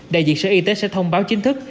đại diện sở y tế sẽ thông báo chính thức